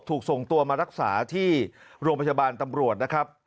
ถูกส่งตัวมารักษาที่โรงพยาบาลตำรวจนะครับ